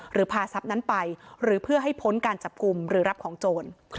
หรือพาทรัพย์นั้นไปหรือเพื่อให้พ้นการจับกลุ่มหรือรับของโจร